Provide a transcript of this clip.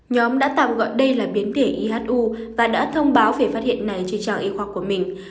nhóm đã tạm gọi đây là biến thể ihu và đã thông báo về phát hiện này trên trang y khoa của mình